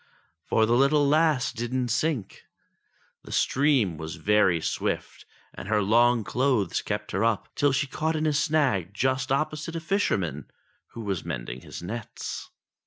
For the little lass didn't sink. The stream was very swift, and her long clothes kept her up till she caught in a snag just opposite a fisherman, who was mending his nets.